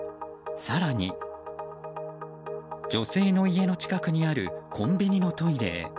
更に、女性の家の近くにあるコンビニのトイレへ。